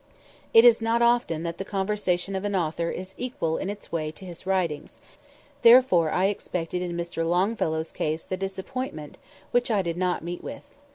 It is not often that the conversation of an author is equal in its way to his writings, therefore I expected in Mr. Longfellow's case the disappointment which I did not meet with.